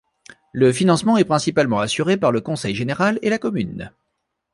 Le financement est principalement assuré par le conseil général et la commune.